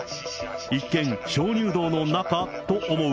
一見、鍾乳洞の中？と思う